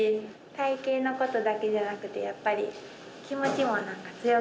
体形のことだけじゃなくてやっぱり気持ちも何か強くなれます。